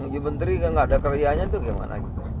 ju menteri nggak ada karyanya itu gimana gitu